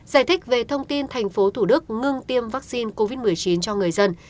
giải thích về thông tin tp hcm ngưng tiêm vaccine covid một mươi chín cho người dân